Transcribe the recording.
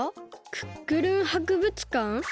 「クックルン博物館」？